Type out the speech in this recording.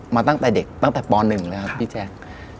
มาตั้งแต่เด็กตั้งแต่ป๑เลยครับพี่แจ๊ค